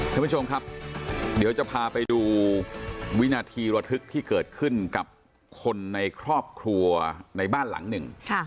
ท่านผู้ชมครับเดี๋ยวจะพาไปดูวินาทีระทึกที่เกิดขึ้นกับคนในครอบครัวในบ้านหลังหนึ่ง